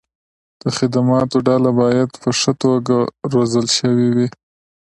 د خدماتو ډله باید په ښه توګه روزل شوې وي.